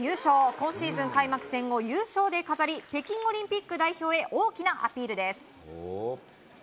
今シーズン開幕戦を優勝で飾り北京オリンピック代表へ大きなアピールです。